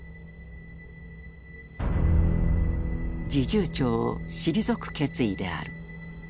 侍従長を退く決意である。